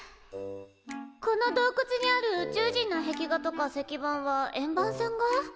この洞窟にある宇宙人の壁画とか石板は円盤さんが？